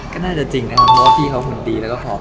ก็น่าจะจริงนะครับเพราะว่าพี่เขาหุ่นดีแล้วก็หอม